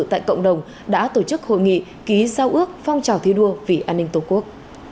tại cộng đồng đã tổ chức hội nghị ký giao ước phong trào thi đua vì an ninh tổ quốc